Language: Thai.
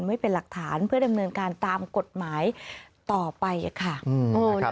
ไว้เป็นหลักฐานเพื่อดำเนินการตามกฎหมายต่อไปค่ะ